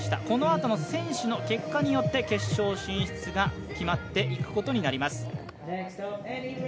このあとの選手の結果は決勝進出が決まっていくことになります。